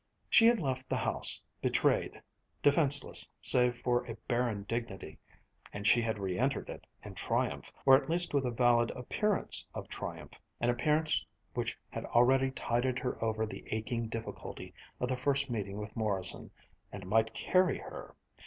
She had left the house, betrayed, defenseless save for a barren dignity, and she had re entered it in triumph, or at least with a valid appearance of triumph, an appearance which had already tided her over the aching difficulty of the first meeting with Morrison and might carry her